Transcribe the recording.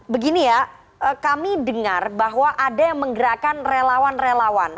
begini ya kami dengar bahwa ada yang menggerakkan relawan relawan